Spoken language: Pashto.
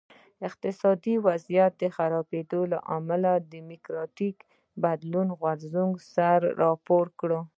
د اقتصادي وضعیت خرابېدو له امله د ډیموکراټیک بدلون غورځنګ سر راپورته کړ.